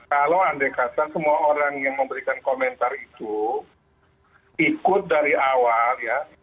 kalau andai kata semua orang yang memberikan komentar itu ikut dari awal ya